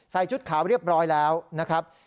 ชุดขาวเรียบร้อยแล้วนะครับ